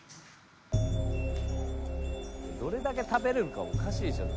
「どれだけ食べるのかもおかしいでしょ」